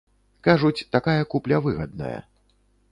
Кажуць, такая купля выгадная.